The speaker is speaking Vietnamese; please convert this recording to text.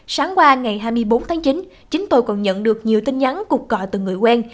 sáng qua ngày hai mươi bốn tháng chín chính tôi còn nhận được nhiều tin nhắn cục cọ từ người quen